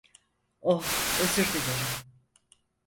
Oh, özür dilerim.